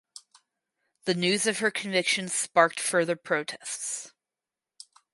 The news of her conviction sparked further protests.